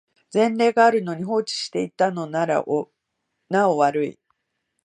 前例があるのに放置していたのならなお悪い